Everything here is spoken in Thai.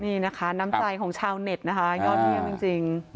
นี่นะคะน้ำใจของชาวเน็ตนะคะยอดเยี่ยมจริง